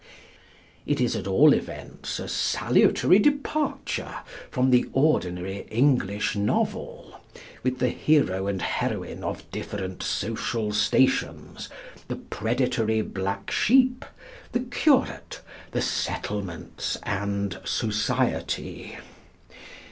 It is, at all events, a salutary departure from the ordinary English novel, with the hero and heroine of different social stations, the predatory black sheep, the curate, the settlements and Society.